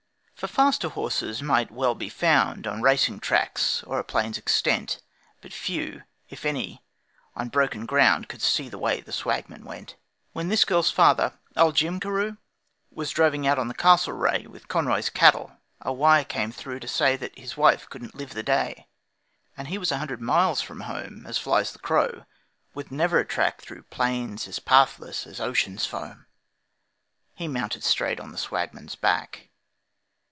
For faster horses might well be found On racing tracks, or a plain's extent, But few, if any, on broken ground Could see the way that the Swagman went. When this girl's father, old Jim Carew, Was droving out on the Castlereagh With Conroy's cattle, a wire came through To say that his wife couldn't live the day. And he was a hundred miles from home, As flies the crow, with never a track, Through plains as pathless as ocean's foam, He mounted straight on the Swagman's back.